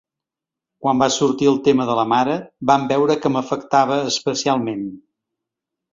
Quan va sortir el tema de la mare van veure que m’afectava especialment.